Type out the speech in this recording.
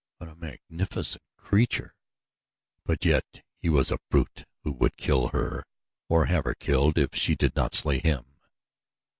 What a magnificent creature! But yet he was a brute who would kill her or have her killed if she did not slay him.